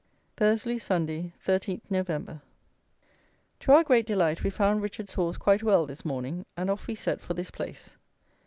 Thursley, Sunday, 13th Nov. To our great delight we found Richard's horse quite well this morning, and off we set for this place.